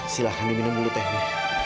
silahkan diminum dulu tehnya